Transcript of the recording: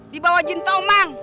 di bawah jin tomang